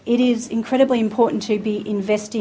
ini sangat penting untuk berinvestasi